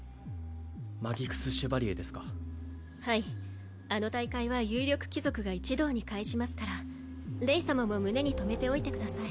マギクス・シュバリエですかはいあの大会は有力貴族が一堂に会しますからレイ様も胸に留めておいてください